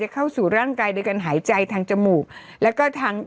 เข้าสู่ร่างกายโดยการหายใจทางจมูกแล้วก็ทาง